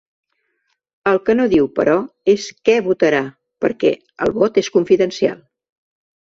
El que no diu, però, és què votarà, perquè ‘el vot és confidencial’.